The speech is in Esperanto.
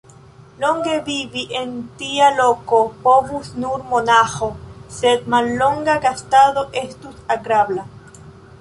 Longe vivi en tia loko povus nur monaĥo, sed mallonga gastado estus agrabla.